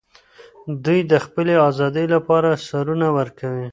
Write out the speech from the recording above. دوی د خپلې ازادۍ لپاره سرونه ورکوي.